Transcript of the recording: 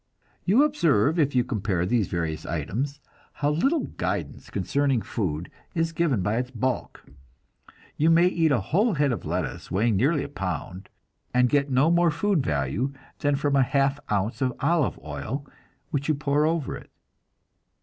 You observe, if you compare these various items, how little guidance concerning food is given by its bulk. You may eat a whole head of lettuce, weighing nearly a pound, and get no more food value than from a half ounce of olive oil which you pour over it.